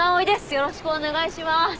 よろしくお願いします。